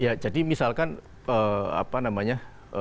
ya jadi misalkan apa namanya